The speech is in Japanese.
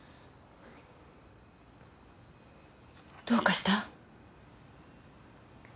どうかした？